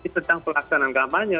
tentang pelaksanaan kampanye